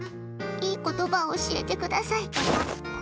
いい言葉を教えてください。